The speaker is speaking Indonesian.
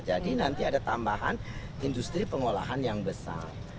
jadi nanti ada tambahan industri pengolahan yang besar